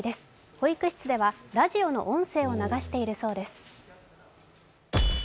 保育室ではラジオの音声を流しているそうです。